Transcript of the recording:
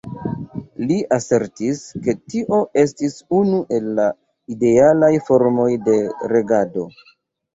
Li asertis, ke tio estis unu el la idealaj formoj de regado.